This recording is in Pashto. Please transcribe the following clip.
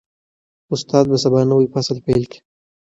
استاد به سبا نوی فصل پیل کړي.